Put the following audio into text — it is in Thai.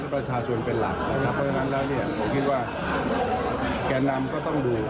ก็ประชาส่วนเป็นหลักแต่ถ้าเพราะงั้นแล้วเนี่ยผมคิดว่าแก่นำก็ต้องดูนะครับ